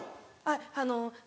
あっあの